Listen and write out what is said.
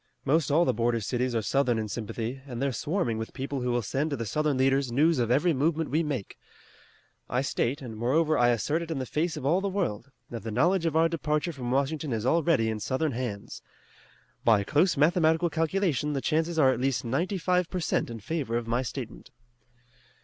Most all the border cities are Southern in sympathy, and they're swarming with people who will send to the Southern leaders news of every movement we make. I state, and moreover I assert it in the face of all the world, that the knowledge of our departure from Washington is already in Southern hands. By close mathematical calculation the chances are at least ninety five per cent in favor of my statement."